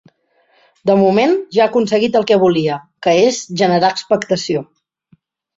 De moment ja ha aconseguit el que volia, que és generar expectació.